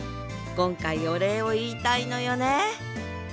今回お礼を言いたいのよね